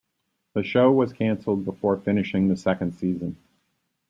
The show was canceled before finishing the second season.